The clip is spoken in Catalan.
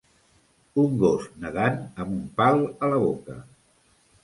Un gos nedant amb un pal a la boca.